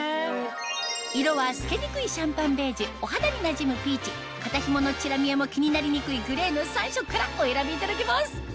色は透けにくいシャンパンベージュお肌になじむピーチ肩ひものチラ見えも気になりにくいグレーの３色からお選びいただけます